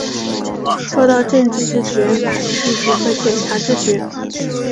做到政治自觉、法治自觉和检察自觉